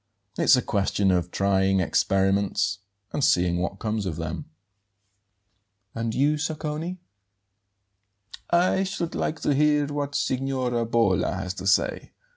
It's a question of trying experiments and seeing what comes of them." "And you, Sacconi?" "I should like to hear what Signora Bolla has to say.